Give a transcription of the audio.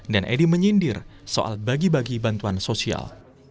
dan edi menyindir soal bagi bagi bantuan sosial